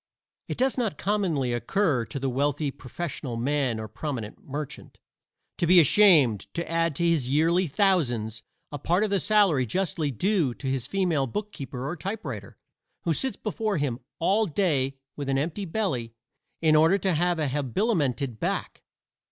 It does not commonly occur to the wealthy "professional man," or "prominent merchant," to be ashamed to add to his yearly thousands a part of the salary justly due to his female bookkeeper or typewriter, who sits before him all day with an empty belly in order to have an habilimented back.